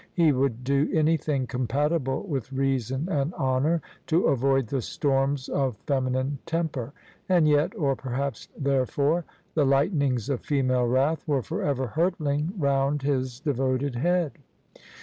He would do anything compatible with reason and honour to avoid the storms of feminine temper; and yet — or, perhaps, therefore — the lightnings of female wrath were forever hurtling round his devoted head.